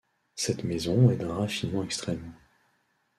Cette maison est d'un raffinement extrême.